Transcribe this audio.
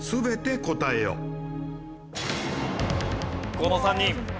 この３人。